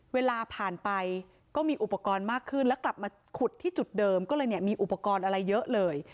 เวลาผ่านไปก็มีอุปกรณ์มากขึ้นแล้วกลับมาขุดที่จุดเดิมก็เลยเนี่ยมีอุปกรณ์อะไรเยอะเลย